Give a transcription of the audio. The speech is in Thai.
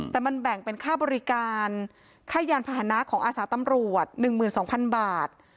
แต่มันแบ่งเป็นค่าบริการค่ายานพาหนะของอาสาตำรวจ๑๒๐๐๐บาท